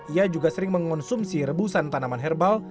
ia juga sering mengonsumsi rebusan tanaman herbal